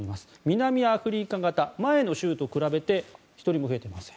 南アフリカ型、前の週と比べて１人も増えていません。